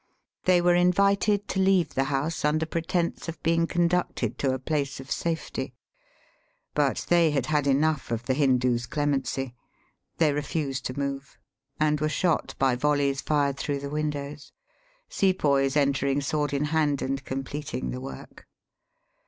They were invited to leave the house under pretence of being conducted to a place of safety. But they had had enough of the Hindoo's clemency. They refused to move, and were shot by volleys fired through the windows, Sepoys entering sword in hand and completing the work.